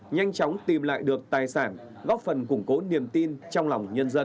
nhanh chóng tìm lại được tài sản góp phần củng cố niềm tin trong lòng nhân dân